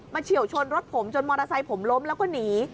เฉียวชนรถผมจนมอเตอร์ไซค์ผมล้มแล้วก็หนี